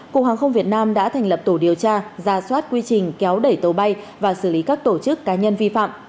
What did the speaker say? cục hàng không việt nam đã thành lập tổ điều tra ra soát quy trình kéo đẩy tàu bay và xử lý các tổ chức cá nhân vi phạm